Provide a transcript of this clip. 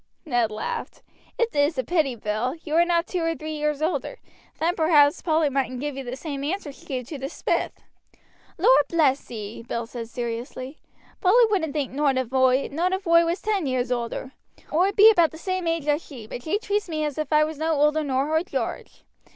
Ned laughed. "It's a pity, Bill, you are not two or three years older, then perhaps Polly mightn't give you the same answer she gave to the smith." "Lor' bless ee," Bill said seriously, "Polly wouldn't think nowt of oi, not if oi was ten years older. Oi bee about the same age as she; but she treats me as if I was no older nor her Jarge.